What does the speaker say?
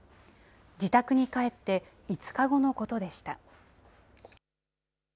自宅に帰って５日後のことでした。